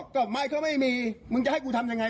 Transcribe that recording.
ก็ไม่เขาไม่มีมึงจะให้กูทำยังไง